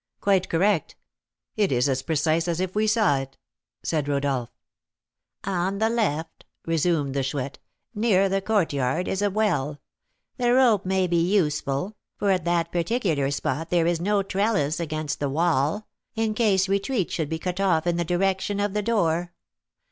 "Quite correct; it is as precise as if we saw it," said Rodolph. "On the left," resumed the Chouette, "near the courtyard, is a well; the rope may be useful (for at that particular spot there is no trellis against the wall), in case retreat should be cut off in the direction of the door.